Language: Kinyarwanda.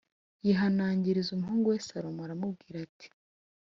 yihanangiriza umuhungu we Salomo aramubwira ati